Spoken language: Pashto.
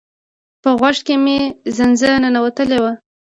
په غوږ کی می زنځه ننوتلی وه